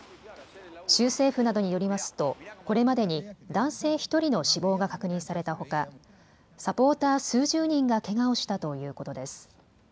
州政府などによりますとこれまでに男性１人の死亡が確認されたほかサポーター数十人がけがをしたということです。